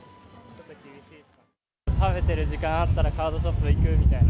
食べてる時間あったら、カードショップ行くみたいな。